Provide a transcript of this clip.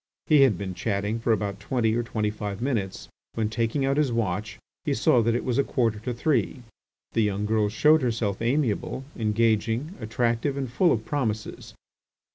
He had been chatting for about twenty or twenty five minutes, when, taking out his watch, he saw that it was a quarter to three. The young girl showed herself amiable, engaging, attractive, and full of promises.